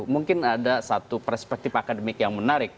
mungkin ada satu perspektif akademik yang menarik